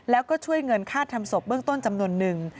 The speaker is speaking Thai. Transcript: แล้วก็ช่วยเงินค่าทำศพเบื้องต้นจำนวนนึง